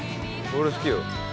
俺好きよ。